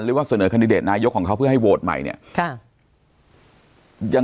หรือว่าเสนอคันดิเดตนายกของเขาเพื่อให้โหวตใหม่เนี่ย